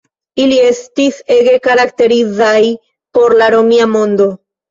Ili estis ege karakterizaj por la Romia mondo.